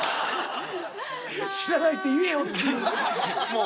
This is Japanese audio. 「知らないって言えよ」っていう。